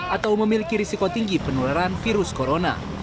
atau memiliki risiko tinggi penularan virus corona